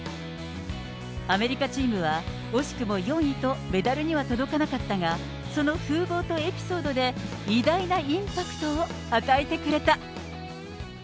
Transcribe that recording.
アメリカチームは惜しくも４位とメダルには届かなかったが、その風貌とエピソードで、偉大なインパクトを与えてくれた。